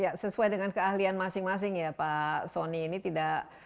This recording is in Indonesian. ya sesuai dengan keahlian masing masing ya pak soni ini tidak